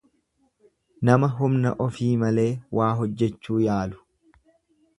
Nama humna ofii malee waa hojjechuu yaalu.